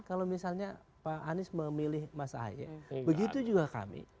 kalau misalnya pak anies memilih mas ahy begitu juga kami